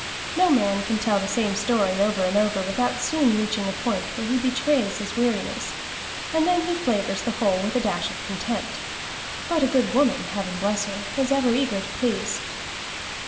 No man can tell the same story over and over without soon reaching a point where he betrays his weariness, and then he flavors the whole with a dash of contempt; but a good woman, heaven bless her! is ever eager to please.